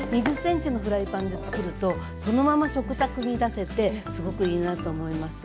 ２０ｃｍのフライパンでつくるとそのまま食卓に出せてすごくいいなと思います。